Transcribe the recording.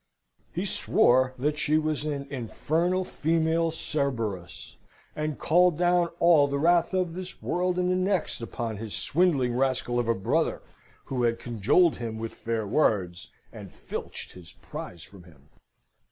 He swore that she was an infernal female Cerberus, and called down all the wrath of this world and the next upon his swindling rascal of a brother, who had cajoled him with fair words, and filched his prize from him.